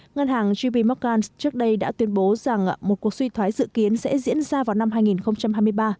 ngân hàng gp mccaine trước đây đã tuyên bố rằng một cuộc suy thoái dự kiến sẽ diễn ra vào năm hai nghìn hai mươi ba